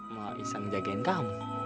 mau bisa ngejagain kamu